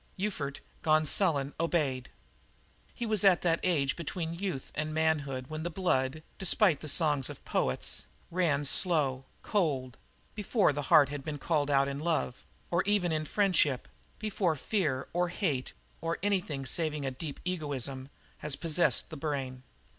Ufert, gone sullen, obeyed. He was at that age between youth and manhood when the blood, despite the songs of the poets, runs slow, cold; before the heart has been called out in love, or even in friendship; before fear or hate or anything saving a deep egoism has possessed the brain.